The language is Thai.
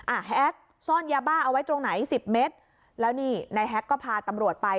แฮ็กซ่อนยาบ้าเอาไว้ตรงไหนสิบเมตรแล้วนี่นายแฮ็กก็พาตำรวจไป